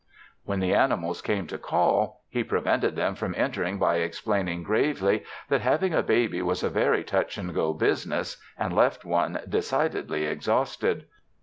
_ When the animals came to call, he prevented them from entering by explaining gravely that having a baby was a very touch and go business and left one decidedly exhausted.